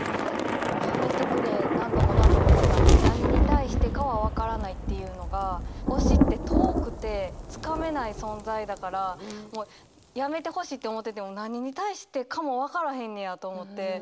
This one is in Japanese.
「やめてくれ、何度も、何度も思った、何に対してかはわからない」っていうのが推しって遠くてつかめない存在だからもうやめてほしいって思ってても何に対してかもわからへんねやと思って。